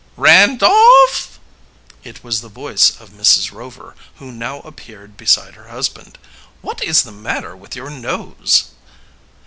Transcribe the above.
"Randolph!" It was the voice of Mrs. Rover, who now appeared beside her husband. "What is the matter with your nose?"